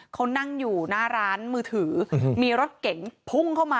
เขานั่งอยู่หน้าร้านมือถือมีรถเก๋งพุ่งเข้ามา